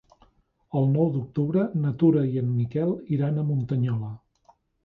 El nou d'octubre na Tura i en Miquel iran a Muntanyola.